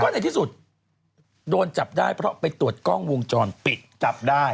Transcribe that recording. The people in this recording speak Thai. ในที่สุดโดนจับได้เพราะไปตรวจกล้องวงจรปิดจับได้